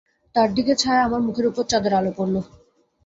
তার দিকে ছায়া, আমার মুখের উপর চাঁদের আলো পড়ল।